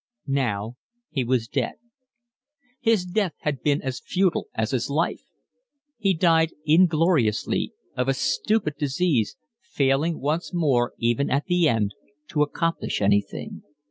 Now he was dead. His death had been as futile as his life. He died ingloriously, of a stupid disease, failing once more, even at the end, to accomplish anything.